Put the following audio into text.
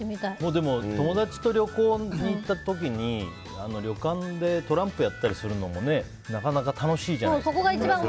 でも、友達と旅行に行った時に旅館でトランプやったりするのもなかなか楽しいじゃないですか。